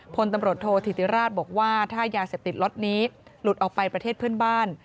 พลตำรวจโทษธิติราชบอกว่าถ้ายาเสพติดล็อตนี้หลุดออกไปประเทศเพื่อนบ้าน